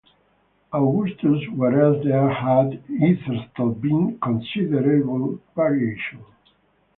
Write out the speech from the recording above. Augustus, whereas there had hitherto been considerable variation.